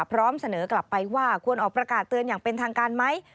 พร้อมเสนอกลับไปว่าควรออกประกาศเตือนอย่างเป็นทางการไหม